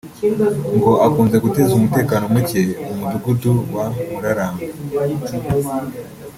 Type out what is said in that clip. ngo akunze guteza umutekano muke mu mudugudu wa Murarambo